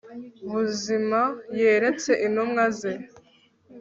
buzima yeretse intumwa ze